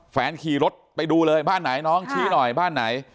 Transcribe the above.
ขี่รถไปดูเลยบ้านไหนน้องชี้หน่อยบ้านไหน